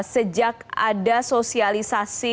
sejak ada sosialisasi